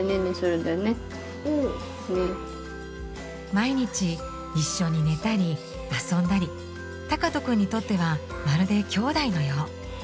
毎日一緒に寝たり遊んだり敬斗くんにとってはまるできょうだいのよう。